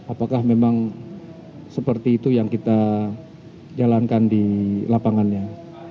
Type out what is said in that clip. apakah memang seperti itu yang kita jalankan di lapangannya